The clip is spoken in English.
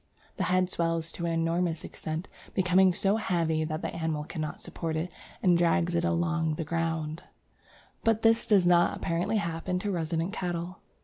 "The head swells to an enormous extent, becoming so heavy that the animal cannot support it, and drags it along the ground"; but this does not apparently happen to resident cattle.